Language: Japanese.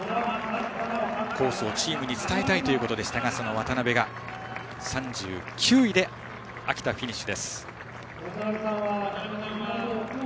コースをチームに伝えたいということでしたがその渡辺が３９位で秋田、フィニッシュ。